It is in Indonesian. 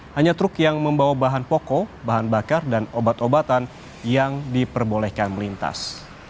hanya truk yang membawa bahan pokok bahan bakar dan obat obatan yang diperbolehkan melintas